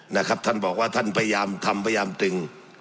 นะครับท่านบอกว่าท่านพยายามทำพยายามตึง